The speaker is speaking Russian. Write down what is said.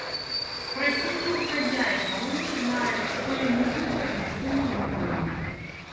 Спросите у хозяина, — он не знает, что ему выгодно, что невыгодно.